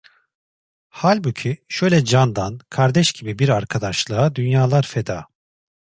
Halbuki şöyle candan, kardeş gibi bir arkadaşlığa dünyalar feda…